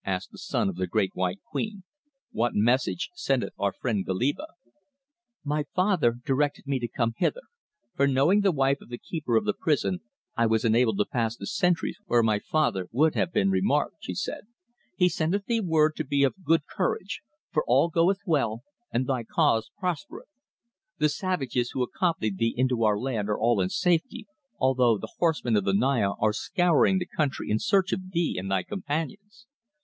asked the son of the Great White Queen. "What message sendeth our friend Goliba?" "My father directed me to come hither, for knowing the wife of the Keeper of the Prison I was enabled to pass the sentries where my father would have been remarked," she said. "He sendeth thee word to be of good courage, for all goeth well, and thy cause prospereth. The savages who accompanied thee into our land are all in safety, although the horsemen of the Naya are scouring the country in search of thee and thy companions.